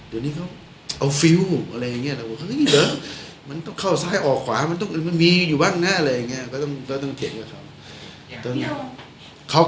ตอนนี้เขามาฟิวแบบมันต้องเข้าซ้ายความมีอยู่บ้างนะต้องเทียดเขา